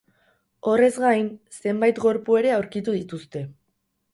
Horrez gain, zenbait gorpu ere aurkitu dituzte.